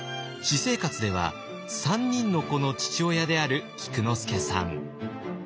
私生活では３人の子の父親である菊之助さん。